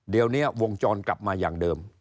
เดี๋ยวนี้วงจรกลับมาอย่างเดิม